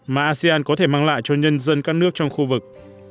mà asean có thể mang lại cho nhân dân các nước trong khu vực